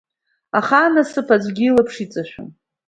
Аха анасыԥ аӡәгьы илаԥш иҵашәом.